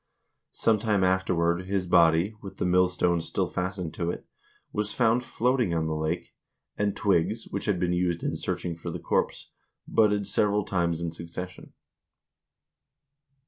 Some time afterward, his body, with the millstones still fastened to it, was found floating on the lake, and twigs, which had been used in searching for the corpse, budded several times in succession.